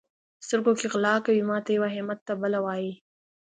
سترګو کې غلا کوي؛ ماته یوه، احمد ته بله وایي.